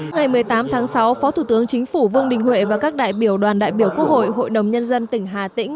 ngày một mươi tám tháng sáu phó thủ tướng chính phủ vương đình huệ và các đại biểu đoàn đại biểu quốc hội hội đồng nhân dân tỉnh hà tĩnh